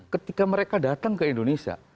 ketika mereka datang ke indonesia